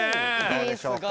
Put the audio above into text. どうでしょうか